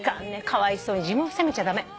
かわいそうに自分を責めちゃ駄目。